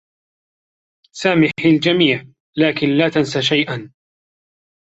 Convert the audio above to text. سامح الجميع لكن لا تنس شيئا.